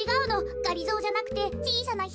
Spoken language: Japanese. がりぞーじゃなくてちいさなヒナがいてね。